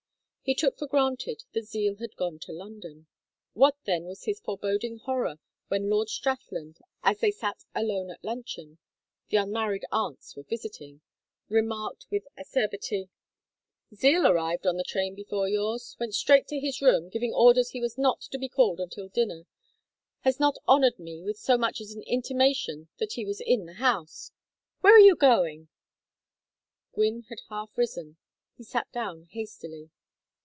He took for granted that Zeal had gone to London. What then was his foreboding horror when Lord Strathland, as they sat alone at luncheon the unmarried aunts were visiting remarked with acerbity: "Zeal arrived on the train before yours went straight to his room, giving orders he was not to be called until dinner has not honored me with so much as an intimation that he was in the house Where are you going?" Gwynne had half risen. He sat down hastily.